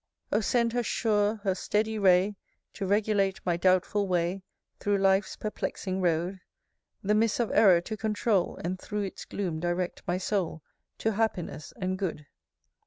XV. O send her sure, her steady ray, To regulate my doubtful way, Thro' life's perplexing road: The mists of error to controul, And thro' its gloom direct my soul To happiness and good.